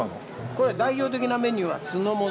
これ代表的なメニューは酢の物です。